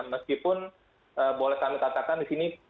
meskipun boleh kami katakan di sini